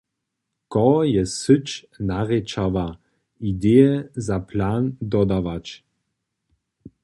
Koho je syć narěčała, ideje za plan dodawać?